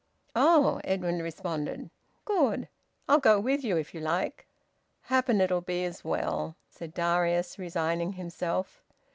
"Oh!" Edwin responded. "Good! I'll go with you if you like." "Happen it'll be as well," said Darius, resigning himself.